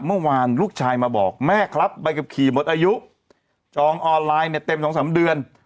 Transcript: เมื่อวานลูกชายมาบอกแม่ครับใบขับขี่หมดอายุจองออนไลน์เนี่ยเต็มสองสามเดือน